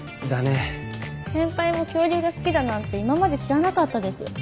先輩も恐竜が好きだなんて今まで知らなかったです。